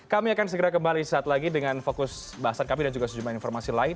kami akan segera kembali saat lagi dengan fokus bahasan kami dan juga sejumlah informasi lain